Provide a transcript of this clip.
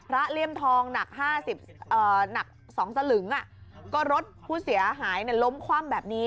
เลี่ยมทองหนัก๒สลึงก็รถผู้เสียหายล้มคว่ำแบบนี้